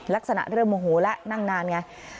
ลักษณะเริ่มโมโหแล้วนั่งนานไง